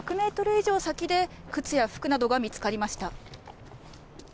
以上先で靴や服などが見つかりました。